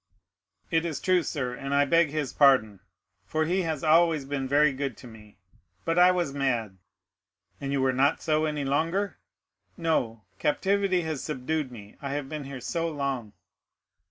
"It is true, sir, and I beg his pardon, for he has always been very good to me, but I was mad." "And you are not so any longer?" "No; captivity has subdued me—I have been here so long."